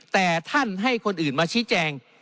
แต่ท่านให้คนอื่นมาชี้แจง